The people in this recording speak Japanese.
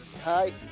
はい。